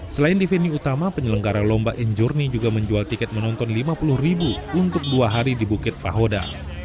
selain di venue utama penyelenggara lomba in journey juga menjual tiket menonton rp lima puluh ribu untuk dua hari di bukit pahoda